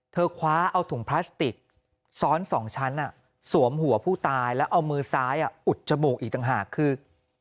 คว้าเอาถุงพลาสติกซ้อน๒ชั้นสวมหัวผู้ตายแล้วเอามือซ้ายอุดจมูกอีกต่างหากคือ